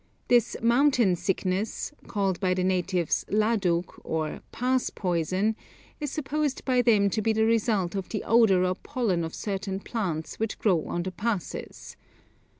This 'mountain sickness,' called by the natives ladug, or 'pass poison,' is supposed by them to be the result of the odour or pollen of certain plants which grow on the passes.